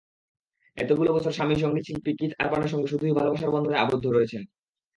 এতগুলো বছর স্বামী, সংগীতশিল্পী কিথ আরবানের সঙ্গে শুধুই ভালোবাসার বন্ধনে আবদ্ধ রয়েছেন।